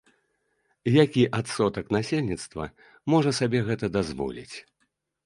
Які адсотак насельніцтва можа сабе гэта дазволіць?